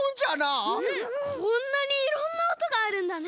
こんなにいろんなおとがあるんだね！